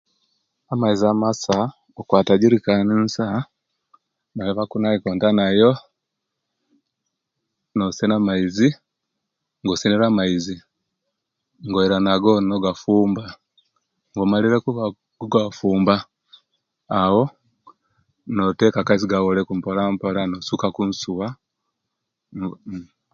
Amaizi amasa okwata jerikan ensa nayaba kunaikonta nayo nosena amaizi, nga osenere amaizi nga oira nago nogafumba nga omalire okugafumba awo noteka kaisi gawole ku mpolampola nosuka kunsuwa